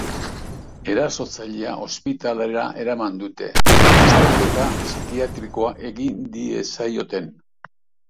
Erasotzailea ospitalera eraman dute, azterketa psikiatrikoa egin diezaioten.